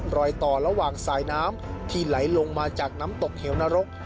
รอยต่อระหว่างสายน้ำที่ไหลลงมาจากน้ำตกเหวนรก